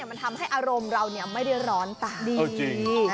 มันทำให้อารมณ์เราไม่ได้ร้อนตาดี